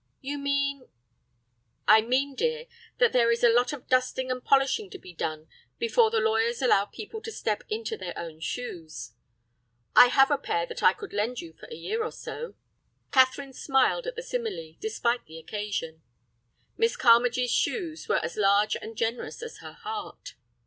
"You mean—?" "I mean, dear, that there is a lot of dusting and polishing to be done before the lawyers allow people to step into their own shoes. I have a pair that I could lend you for a year or so." Catherine smiled at the simile, despite the occasion. Miss Carmagee's shoes were as large and generous as her heart.